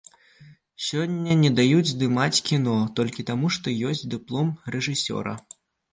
Сёння не даюць здымаць кіно, толькі таму, што ёсць дыплом рэжысёра.